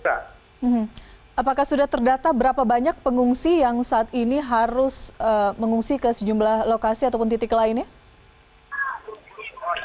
apakah sudah terdata berapa banyak pengungsi yang saat ini harus mengungsi ke sejumlah lokasi ataupun titik lainnya